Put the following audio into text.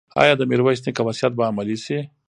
ایا د میرویس نیکه وصیت به عملي شي؟